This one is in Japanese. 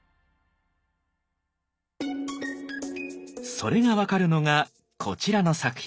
それが分かるのがこちらの作品。